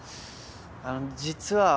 あの実は僕。